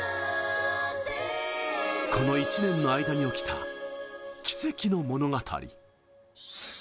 この１年の間に起きた奇跡の物語。